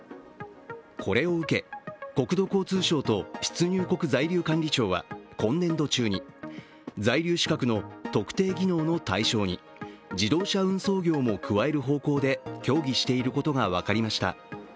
これを受け、国土交通省と出入国在留管理庁は今年度中に在留資格の特定技能の対象に自動車運送業も加える方向で協議していることが分かりました。